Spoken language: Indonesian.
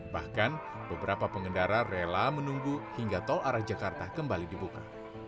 bahkan beberapa pengendara rela menunggu hingga tol arah jakarta kembali dibuka